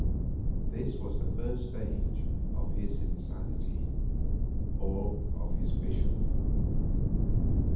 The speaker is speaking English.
This was the first stage of his insanity—or of his vision.